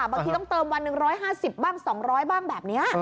บางทีต้องเติมวัน๑๕๐บ้าง๒๐๐บ้างแบบนี้